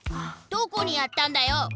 どこにやったんだよ！